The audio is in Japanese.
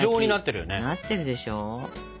なってるでしょ。